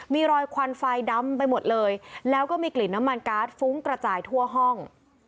มีรอยควันไฟดำไปหมดเลยแล้วก็มีกลิ่นน้ำมันการ์ดฟุ้งกระจายทั่วห้อง